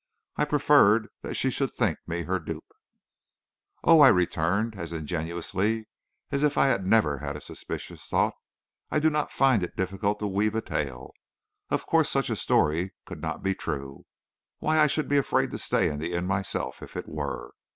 I preferred that she should think me her dupe. "Oh," I returned, as ingenuously as if I had never had a suspicious thought, "I do not find it difficult to weave a tale. Of course such a story could not be true. Why, I should be afraid to stay in the inn myself if it were.